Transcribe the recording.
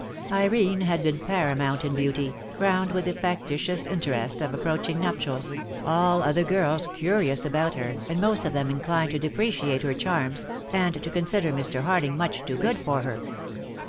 Irene had been paramount in beauty, crowned with the factitious interest of approaching nuptials, all other girls 2 54 DEAD LOVE HAS CHAINS. curious about her, and most of them indined to depreciate her charms, and to consider Mr. Hading much too good for her.